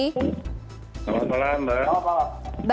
selamat malam mbak